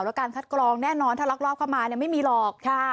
แล้วการคัดกรองแน่นอนถ้าลักลอบเข้ามาไม่มีหรอก